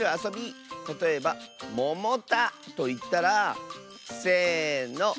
たとえば「ももた」といったらせの。